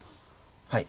はい。